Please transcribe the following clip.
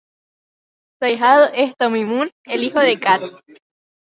Su ahijado es Tomy Moon, el hijo de Kat.